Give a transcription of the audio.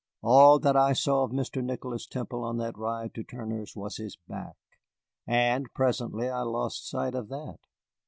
All that I saw of Mr. Nicholas Temple on that ride to Turner's was his back, and presently I lost sight of that.